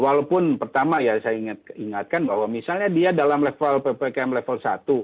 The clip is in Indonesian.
walaupun pertama ya saya ingatkan bahwa misalnya dia dalam level ppkm level satu